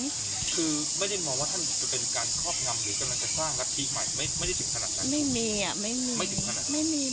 คือไม่ได้มองว่าท่านจะเป็นการครอบงำหรือกำลังจะสร้างลักษณีย์ใหม่